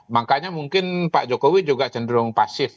makanya mungkin pak jokowi juga cenderung pasif